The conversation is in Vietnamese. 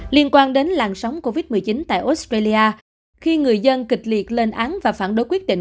liên quan đến làn sóng covid một mươi chín tại australia khi người dân kịch liệt lên án và phản đối quyết định